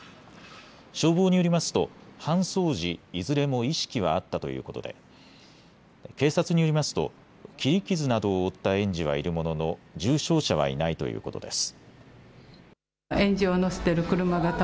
消防によりますと搬送時いずれも意識はあったということで警察によりますと切り傷などを負った園児はいるものの重傷者はいないということです。